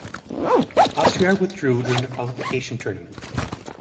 Austria withdrew during the qualification tournament.